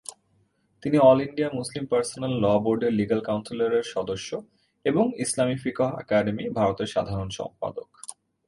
তিনি all India Muslim personal law বোর্ডের legal কাউন্সিলের সদস্য এবং ইসলামি ফিকহ একাডেমি, ভারতের সাধারণ সম্পাদক।